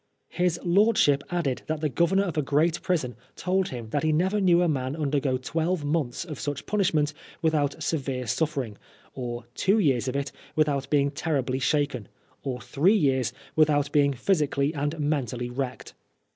His lordship added that the Governor of a great prison told him that he never knew a man undergo twelve months of such punishment without severe suffering, or two years of it without being terribly shaken, or three years without being physically and mentally wrecked.